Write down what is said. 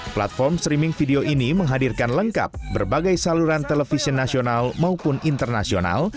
platform streaming video ini menghadirkan lengkap berbagai saluran televisi nasional maupun internasional